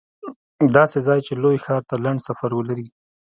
داسې ځای چې لوی ښار ته لنډ سفر ولري